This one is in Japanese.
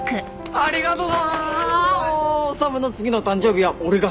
ありがとう。